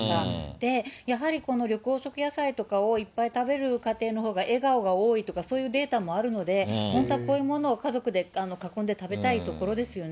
で、やはりこの緑黄色野菜とかをいっぱい食べる家庭のほうが笑顔が多いとかそういうデータもあるので、本当はこういうものを家族で囲んで食べたいところですよね。